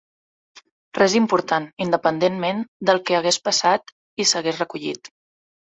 Res important, independentment del que hagués passat i s'hagués recollit.